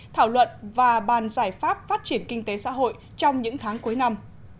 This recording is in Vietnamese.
thảo luận và bàn giải pháp phát triển kinh tế xã hội trong những tháng cuối năm